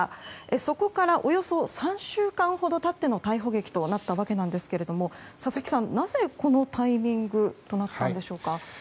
そこからおよそ３週間ほど経っての逮捕劇となったわけなんですが佐々木さんなぜこのタイミングとなったんでしょうか。